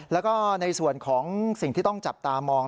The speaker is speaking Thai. แล้วก็ในส่วนของสิ่งที่ต้องจับตามอง